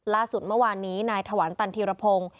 ล่าสุดเมื่อวานนี้นายถวันตันธีรพงศ์